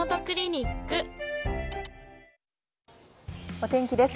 お天気です。